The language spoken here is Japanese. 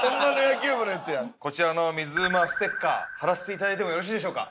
こちらの水うまステッカー貼らせていただいてもよろしいでしょうか？